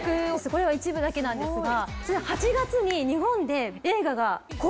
これは一部だけなんですが。